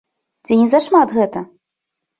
Ці не зашмат гэта?